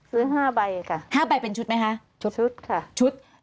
ซื้อ๕ใบค่ะ๕ใบเป็นชุดไหมครับชุดค่ะ